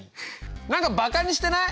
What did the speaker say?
何かバカにしてない？